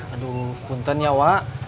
aduh funtan ya wak